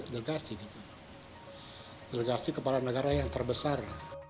satu ratus dua belas delegasi gitu delegasi kepala negara yang terbesar